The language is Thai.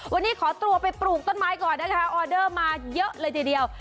วันนี้ขอตัวไปปลูกต้นไม้ก่อนนะคะออเดอร์มาเยอะเลยทีเดียว